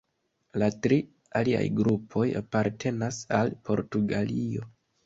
La tri aliaj grupoj apartenas al Portugalio.